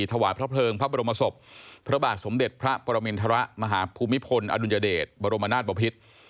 ถวายพระเพลิงพระบรมศพพระบาทสมเด็จพระปรมินทรมาหาภูมิพลอดุลยเดชบรมนาศบพิษ